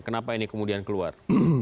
kenapa ini kemudian keluar